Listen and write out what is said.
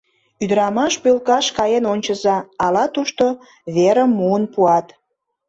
Ӱдырамаш пӧлкаш каен ончыза, ала тушто верым муын пуат.